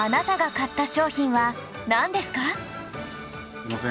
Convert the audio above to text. すいません。